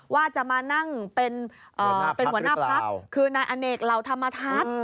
ว่าจะมานั่งเป็นหัวหน้าพักคือนายอเนกเหล่าธรรมทัศน์